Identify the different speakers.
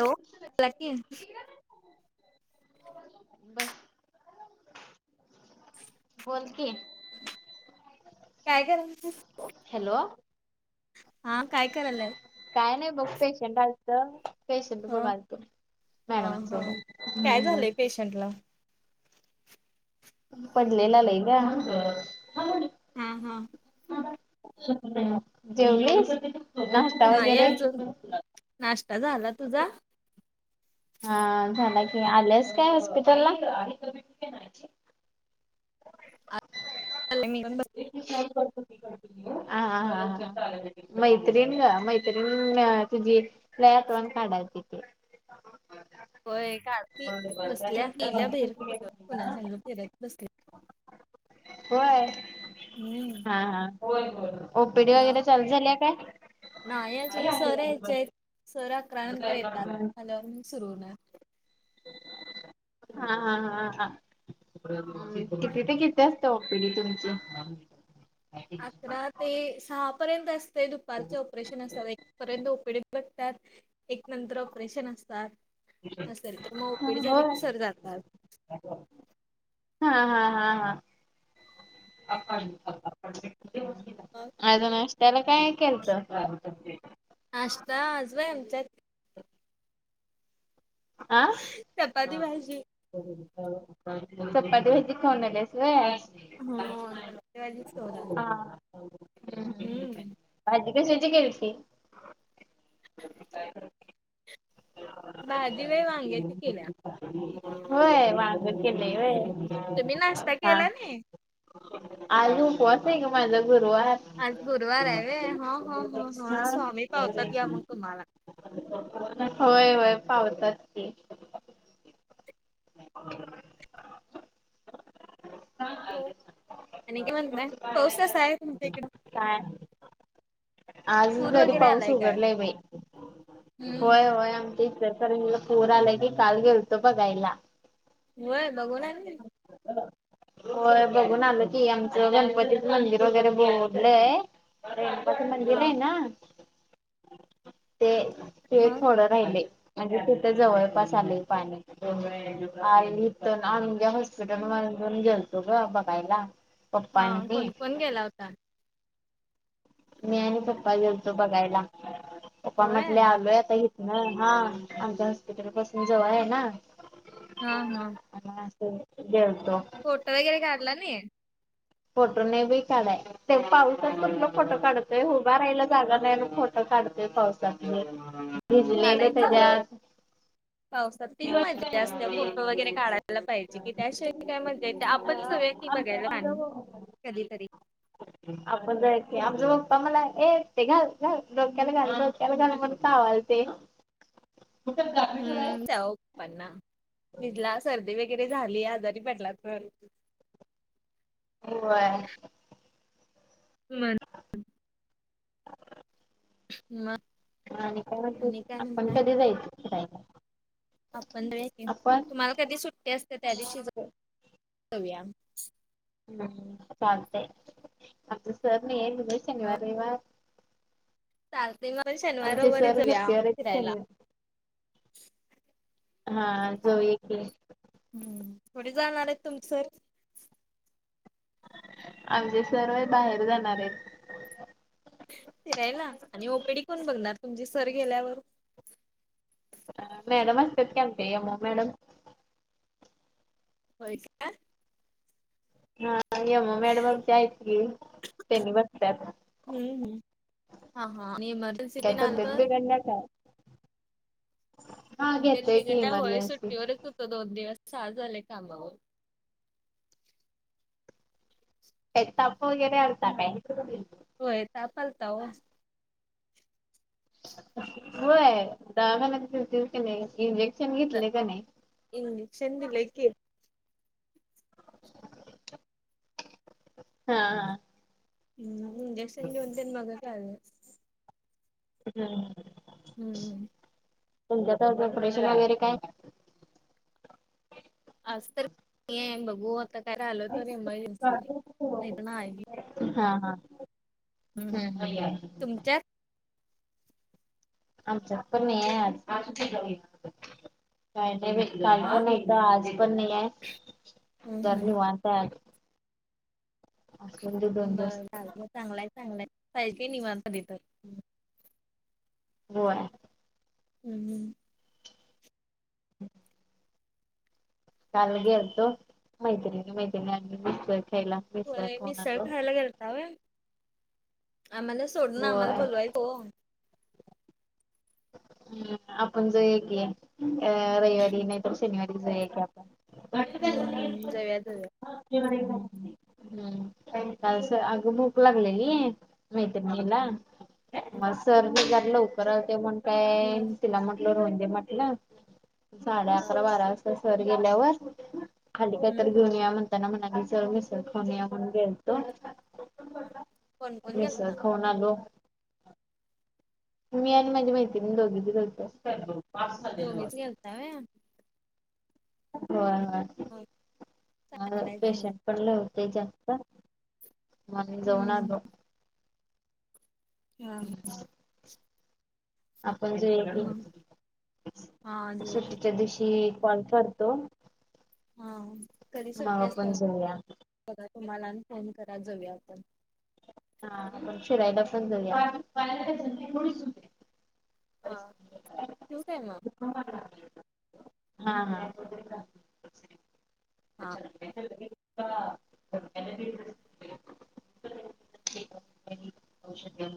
Speaker 1: Hello बोला की
Speaker 2: बर... बोल की
Speaker 1: काय करालती
Speaker 2: हॅलो...
Speaker 1: हा... काय कराल्यास
Speaker 2: काय नाही बघ पेशंट आलत पेशंट
Speaker 1: हा
Speaker 2: बघालतो मॅडमनसोबत
Speaker 1: म्हटलं-'
Speaker 2: पडलेला
Speaker 1: हा हा
Speaker 2: जेवलीस नाश्ता
Speaker 1: नाही
Speaker 2: वगैरे
Speaker 1: अजून... नाश्ता झाला. तुझा
Speaker 2: हा झाला की आलेस काय हॉस्पिटलला
Speaker 1: मीून ब
Speaker 2: ह ह ह--ा मैत्रीण ग मैत्रीण तुझी रयातवाण काढा तिथे
Speaker 1: [inaudible] होय का की बसल्या गेल्या बहिर कुठं कुणा सांग फिरत बसले
Speaker 2: होय
Speaker 1: हम्म
Speaker 2: ह ह ओपीडी
Speaker 1: मग
Speaker 2: वगैरे चालू झाली काय
Speaker 1: नाही अजून सर यायचे आहेत सर अकरा
Speaker 2: हा
Speaker 1: नंतर येतात सुरू होणार
Speaker 2: हा हा हा हा
Speaker 1: मग
Speaker 2: किती ते किती ओपीडी तुमची
Speaker 1: अकरात ते सहापर्यंत असते दुपारचे ऑपरेशन असतात एक पर्यंत ओपीडीत बगतात एक नंतर ऑपरेशन असतात नर तर मग ओपीडी झाली की सर जातात
Speaker 2: हा हा हा हा ह ह [unintelligible]
Speaker 1: ह
Speaker 2: आज नाश्ताला काय केलंत
Speaker 1: नाश्ता आज व्हय आमच्या चपाती भाजी
Speaker 2: चपती भाजी खाऊन आल्यास होय
Speaker 1: हो [unintelligible] खाऊन आलोय
Speaker 2: ह् भाजी कशाची केलती
Speaker 1: भाजी व्हय वांग्यायची केल्या
Speaker 2: होय वांग केलय
Speaker 1: हम्म
Speaker 2: व्हय
Speaker 1: तुम्ही नाश्ता
Speaker 2: हा
Speaker 1: केला नाही
Speaker 2: आज उपवास आहे ग माझा गुरवार
Speaker 1: आज गुरुवार आहे वे हो हो हो हो स्वामी पावतात घ्या मग तुम्हाला
Speaker 2: अ [unintelligible] होय होय पावतात की [unintelligible]
Speaker 1: हो आणि काय म्हणताय पाऊस कसाय तुमच्या हिकडं
Speaker 2: काय आज
Speaker 1: पूर
Speaker 2: तरी
Speaker 1: वगैरे
Speaker 2: पाऊस
Speaker 1: आलाय काय?
Speaker 2: उघडलाय बाई
Speaker 1: हम्म
Speaker 2: होय होय आमच्या इचलकरंजी ला पूर आला की काल गेलतो बघायला
Speaker 1: होय बघून आलीस
Speaker 2: होय बघून आलो की आमचं गणपतीचं मंदिर वगैरे बोडलंय रेणुकाचं मंदिर
Speaker 1: हा
Speaker 2: आहे ना ते ते
Speaker 1: मग
Speaker 2: थोडं राहिलय म्हणजे तिथे जवळपास आलय पाणी हाय इथ तर हॉस्पिटल मधून गेलतो ग बघायला पप्पा
Speaker 1: हा
Speaker 2: आणि मी
Speaker 1: कोण कोण गेला होता
Speaker 2: मी आणि पप्पा घेेततो बघायला पप्पा
Speaker 1: होय
Speaker 2: म्हटले आलोय आता नाही हा आमच्या हॉस्पिटल पासून जवळ आहे ना
Speaker 1: हा हा
Speaker 2: आणि असं गेलतो
Speaker 1: फोट वगैरे काढला नाही
Speaker 2: फोटो ने बी काढाय ते पाऊसात कुठलं फोटो काढत ते उभा राहिला जागा नाही मग फोटं काढतेय पावसात म
Speaker 1: काढायचं
Speaker 2: बसज
Speaker 1: ओ
Speaker 2: [unintelligible]
Speaker 1: [inaudible] पावसात तीच मज्जा जास्त फोटो वगैरे काढायला पाहिजे की त्याशिय काय मज्जा येत आपण सगळे
Speaker 2: आमचा म्हणजे बरोबर [unintelligible]
Speaker 1: कधीतरी
Speaker 2: आपण जायच कि आमच पप्पा मला ए ते घाल घाल डोक्याला घाल घाल म्हणून कावालते
Speaker 1: हम् त्या पण् ना भिजला सर्दी वगैरे झाली आजारी पडला तर
Speaker 2: होय.
Speaker 1: सुमन
Speaker 2: [unintelligible] [inaudible]
Speaker 1: म
Speaker 2: मग आणि काय म्हणतेस, आपण कधी जायच फिरायला?
Speaker 1: आपण जाऊया कि,
Speaker 2: आपण
Speaker 1: तुम्हाला कधी सुट्टी असत्या, त्या दिवशी जाऊया.
Speaker 2: हम्म! चालतय, आमच सर नाहीयेत बघुया
Speaker 1: हो
Speaker 2: शनिवार रविवार
Speaker 1: चालते मग आपण शनिवार
Speaker 2: आमचे
Speaker 1: रविवारी
Speaker 2: सर
Speaker 1: जाऊया
Speaker 2: सुट्टी‌वर आहेत,
Speaker 1: फिरायला
Speaker 2: शनिवारी हा, जाऊया की
Speaker 1: हम्म, कुठे जाणार आहेत तुमच सर?
Speaker 2: आमचे सर होय, बाहेर जाणार आहेत
Speaker 1: फिरायला? आणि ओपीडी कोण बघणार? तुमचे सर गेल्यावर
Speaker 2: अ मॅडम असत्यात की आमच्या, एम ओ मॅडम.
Speaker 1: होय काय?
Speaker 2: हा, एम. ओ. मॅडम आमच्या आहेत की, त्यांनी बसत्यात.
Speaker 1: हम्म हम्म हा हा आणि इमर्जन्सी
Speaker 2: काय
Speaker 1: तेन आलं
Speaker 2: तब्येत
Speaker 1: तर
Speaker 2: बिघडल्या काय? हा
Speaker 1: तब्येत
Speaker 2: घेतोय की
Speaker 1: बिघडल्या, होय
Speaker 2: इमर्जन्सी
Speaker 1: सुट्टीवरच होतो दोन दिवस, आज आलोय कामावर.
Speaker 2: काय ताप वगैरे आलता काय?
Speaker 1: होय, ताप आलता ओ
Speaker 2: होय, दवाखान्यात गेलतीस का नाही? इंजेक्शन घेतलय का नाही?
Speaker 1: इंजीक्शन दिलंय की.
Speaker 2: हा हा.
Speaker 1: हम्म्! इंजेक्शन घेऊन तेन मगच आलोय.
Speaker 2: हम्म.
Speaker 1: हम्म!
Speaker 2: तुमच्यात आज ऑपरेशन वगैरे काय?
Speaker 1: आज तर [inaudible] बघू आता काय आलो तर एमर्जन्सी, नाहीतर नाही.
Speaker 2: हा हा.
Speaker 1: हम्म,
Speaker 2: हम्म
Speaker 1: तुमच्यात?
Speaker 2: आमच्यात पण नई हाय आज काही नाही
Speaker 1: हा
Speaker 2: बाई, काल पण नाही, आज पण नाही हाय,
Speaker 1: हम्म
Speaker 2: सर निवांत हाय आज. असं म्हणजे दोन दिवस
Speaker 1: बरं, चालतय, चांगलाय चांगलाय, पाहिजे निवांत कधीतर.
Speaker 2: [unintelligible] [inaudible] होय.
Speaker 1: हम्म!
Speaker 2: [unintelligible] [inaudible] काल गेलतो, मैत्रिणी-मैत्रिणी, आम्ही मिसळ खायला. मिसळ
Speaker 1: होय,
Speaker 2: खाऊन
Speaker 1: मिसळ
Speaker 2: आलो
Speaker 1: खायला गेलता होय? आम्हाला सोडून आम्हाला
Speaker 2: होय
Speaker 1: बोलवायचं हो
Speaker 2: हम्, आपण जाऊया की, अ रविवारी नाहीतर शनिवारी जाऊया की, आपण का
Speaker 1: हम्म हम्म जाऊया जाऊया
Speaker 2: [unintelligible] [inaudible] हम, अगं भूक लागलेली मैत्रिणीला, आणि सर बी जरा लवकर आलते, म्हणून काय
Speaker 1: हम्म
Speaker 2: तिला म्हटल राहुदे म्हटलं, साडे अकरा बारा वाजता सर गेल्यावर खाली काय तर
Speaker 1: हम्म
Speaker 2: घेऊन येऊया म्हण म्हणताना म्हणाली चल मिसळ खाऊन येऊया म्हणून गेलतो,
Speaker 1: कोण कोण
Speaker 2: मिसळ
Speaker 1: गेलता?
Speaker 2: खाऊन मग आलो मी आणि माझी मैत्रीणी दोघीच गेलतो.
Speaker 1: दोघीच गेलता होय?
Speaker 2: होय होय,
Speaker 1: हो
Speaker 2: मग
Speaker 1: चांगलाय चांगलाय
Speaker 2: पेशंट पड लवते जास्त म जाऊन
Speaker 1: हम्म
Speaker 2: आलो
Speaker 1: हा ह
Speaker 2: आपण जे आहे
Speaker 1: मग हा
Speaker 2: क
Speaker 1: अजून
Speaker 2: सुट्टीच्या दिवशी कॉल करतो
Speaker 1: हा कधी
Speaker 2: मग
Speaker 1: सुट्टते अस
Speaker 2: आपण जाऊया
Speaker 1: त्याला बघा तुम्हाला फोन करा जाऊया आपण
Speaker 2: हा शिरायला पण झाली
Speaker 1: हा शू केय म
Speaker 2: हा ह
Speaker 1: हा
Speaker 2: लट [unintelligible] औषध